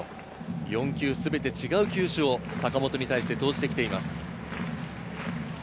４球すべて違う球種を坂本に対して投じてきています。